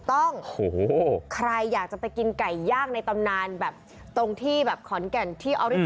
ตรงใครอยากจะไปกินไก่ย่างในตำนานแบบตรงแขนที่ออบอลิจิโน่ของเขาไปกันได้